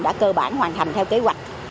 đã cơ bản hoàn thành theo kế hoạch